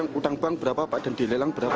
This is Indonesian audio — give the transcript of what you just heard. ini hutang bank berapa pak dan dilelang berapa